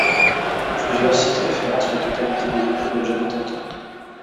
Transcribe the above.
Plusieurs sites référencent la totalité des écrits de John Titor.